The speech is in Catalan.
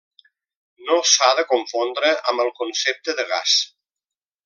No s'ha de confondre amb el concepte de gas.